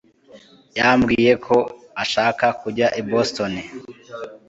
yambwiye ko ashaka kujya i boston